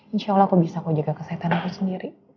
insya allah aku bisa aku jaga kesehatan aku sendiri